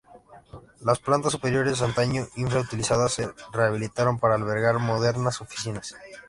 Las plantas superiores, antaño infra-utilizadas, se rehabilitaron para albergar modernas oficinas.